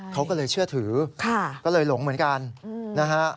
เขาก็เลยเชื่อถือก็เลยหลงเหมือนกันนะฮะ